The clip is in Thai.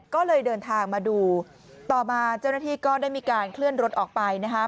ก็เลยเดินทางมาดูต่อมาเจ้าหน้าที่ก็ได้มีการเคลื่อนรถออกไปนะคะ